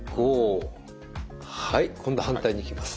はい今度反対にいきます。